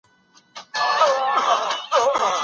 خلافت د مځکي د سمسورتیا لپاره دی.